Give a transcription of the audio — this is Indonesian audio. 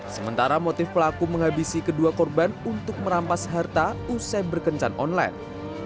sementara motif pelaku menghabisi kedua korban untuk merampas harta usai berkencan online